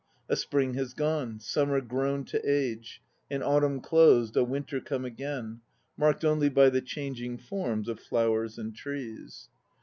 A spring has gone; summer grown to age; An autumn closed; a winter come again, Marked only by the changing forma Of flowers and trees.